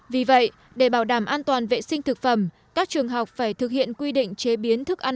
vì vậy để bảo đảm an toàn vệ sinh thực phẩm các trường học phải thực hiện quy định chế biến thức ăn